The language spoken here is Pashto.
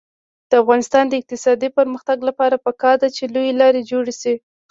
د افغانستان د اقتصادي پرمختګ لپاره پکار ده چې لویې لارې جوړې شي.